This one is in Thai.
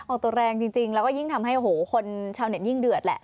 เอาตัวแรงจริงแล้วก็ยิ่งทำให้โอ้โหคนชาวเน็ตยิ่งเดือดแหละ